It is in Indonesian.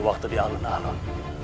waktu di alun alun